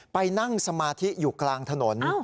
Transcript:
ไปนั่งสมาธิอยู่กลางถนน